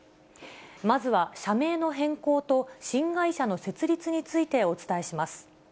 まずは社名の変更と新会社の設立についてお伝えします。